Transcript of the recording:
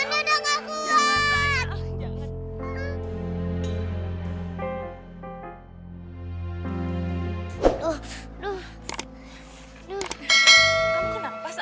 nani udah gak kuat